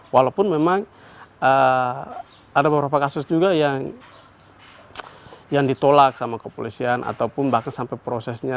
walaupun memang ada beberapa kasus juga yang ditolak sama kepolisian ataupun bahkan sampai prosesnya